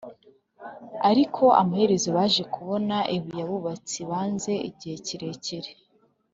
ariko amaherezo baje kubona ibuye abubatsi banze igihe kirekire